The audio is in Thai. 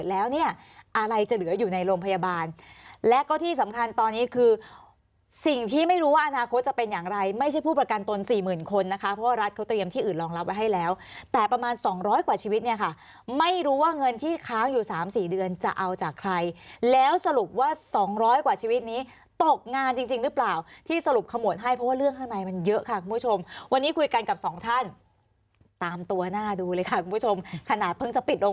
อะไรจะเหลืออยู่ในโรงพยาบาลและก็ที่สำคัญตอนนี้คือสิ่งที่ไม่รู้ว่าอนาคตจะเป็นอย่างไรไม่ใช่ผู้ประกันตนสี่หมื่นคนนะคะเพราะว่ารัฐเขาเตรียมที่อื่นรองรับไว้ให้แล้วแต่ประมาณสองร้อยกว่าชีวิตเนี่ยค่ะไม่รู้ว่าเงินที่ค้างอยู่สามสี่เดือนจะเอาจากใครแล้วสรุปว่าสองร้อยกว่าชีวิตนี้ตกงานจริงจริงหรือ